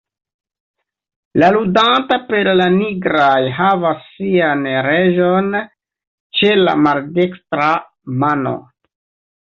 La ludanta per la nigraj havas sian reĝon ĉe la maldekstra mano.